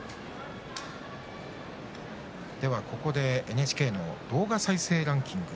ＮＨＫの動画再生ランキング